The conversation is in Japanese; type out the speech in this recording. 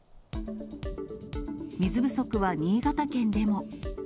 水不足は新潟県でも。